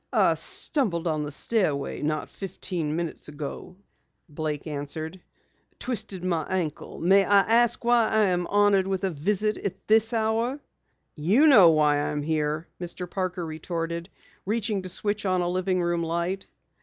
"I stumbled on the stairway not fifteen minutes ago," Blake answered. "Twisted my ankle. May I ask why I am honored with a visit at this hour?" "You know why I am here!" Mr. Parker retorted, reaching to switch on a living room light.